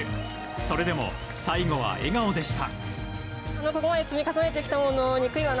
それでも最後は笑顔でした。